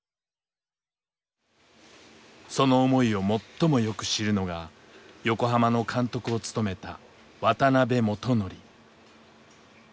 その思いを最もよく知るのが横浜の監督を務めた渡辺元智。